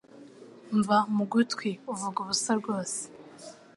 mva mugutwi uvuga ubusa rwose